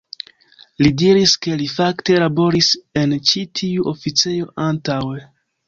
Li diris, ke li fakte laboris en ĉi tiu oficejo antaŭe.